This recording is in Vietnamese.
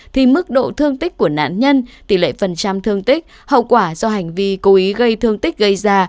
thì mức độ thương tích của nạn nhân tỷ lệ phần trăm thương tích hậu quả do hành vi cố ý gây thương tích gây ra